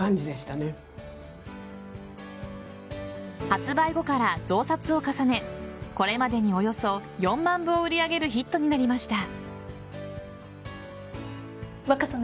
発売後から増刷を重ねこれまでにおよそ４万部を売り上げるヒットになりました。